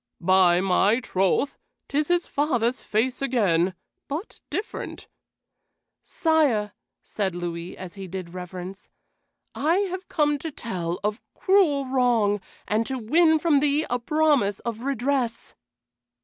"By my troth, 'tis his father's face again, but different." "Sire," said Louis, as he did reverence, "I have come to tell of cruel wrong, and to win from thee a promise of redress."